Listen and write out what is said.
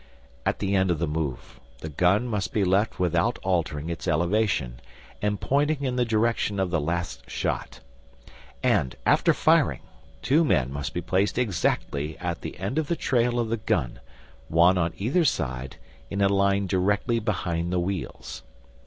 At the end of the move the gun must be left without altering its elevation and pointing in the direction of the last shot. And after firing, two men must be placed exactly at the end of the trail of the gun, one on either side in a line directly behind the wheels.